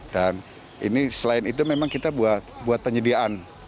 dan ini selain itu memang kita buat penyediaan